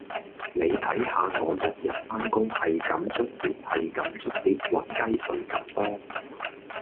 你睇下我日日返工係咁捽碟係咁捽碟搵雞碎咁多